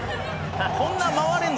こんな回れるの？